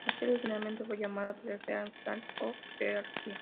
La serie originalmente fue llamada "The Great State of Georgia".